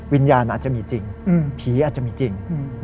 วิญญาณอาจจะมีจริงผีอาจจะมีจริง